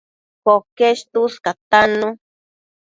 Coquesh tuscatannu